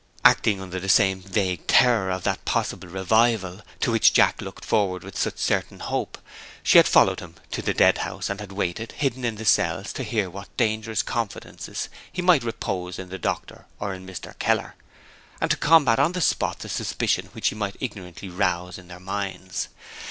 Acting under the same vague terror of that possible revival, to which Jack looked forward with such certain hope, she had followed him to the Deadhouse, and had waited, hidden in the cells, to hear what dangerous confidences he might repose in the doctor or in Mr. Keller, and to combat on the spot the suspicion which he might ignorantly rouse in their minds.